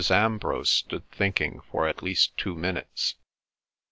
Ambrose stood thinking for at least two minutes.